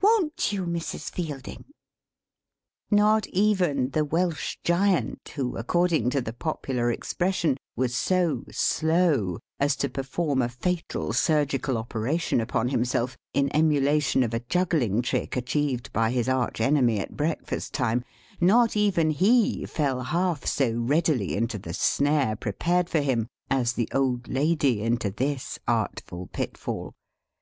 Won't you, Mrs. Fielding?" Not even the Welsh Giant, who, according to the popular expression, was so "slow" as to perform a fatal surgical operation upon himself, in emulation of a juggling trick achieved by his arch enemy at breakfast time; not even he fell half so readily into the Snare prepared for him, as the old lady into this artful Pitfall.